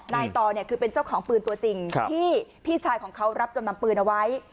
นายต่อเนี่ยคือเป็นเจ้าของปืนตัวจริงที่พี่ชายของเขารับจำนำปืนเอาไว้